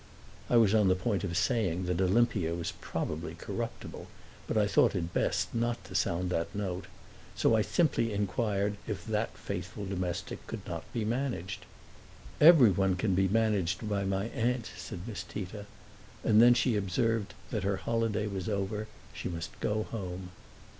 I was on the point of saying that Olimpia was probably corruptible, but I thought it best not to sound that note. So I simply inquired if that faithful domestic could not be managed. "Everyone can be managed by my aunt," said Miss Tita. And then she observed that her holiday was over; she must go home.